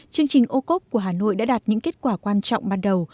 chương trình ocob của hà nội đã đạt những kết quả quan trọng ban đầu